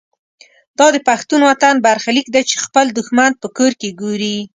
دا د پښتون وطن برخلیک دی چې خپل دښمن په کور کې ګوري.